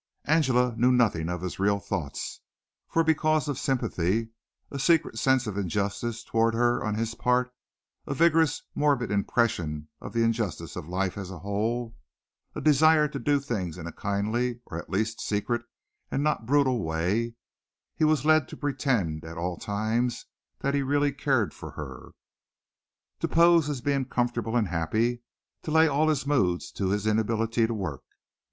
Angela knew nothing of his real thoughts, for because of sympathy, a secret sense of injustice toward her on his part, a vigorous, morbid impression of the injustice of life as a whole, a desire to do things in a kindly or at least a secret and not brutal way, he was led to pretend at all times that he really cared for her; to pose as being comfortable and happy; to lay all his moods to his inability to work.